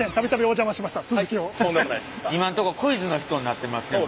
今んとこクイズの人になってますよね。